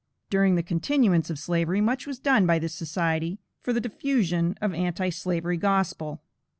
During the continuance of Slavery, much was done by this Society for the diffusion of an anti slavery gospel.